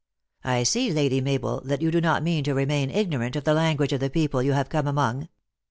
" I see, Lady Mabel, that you do not mean to re main ignorant of the language of the people you have come among."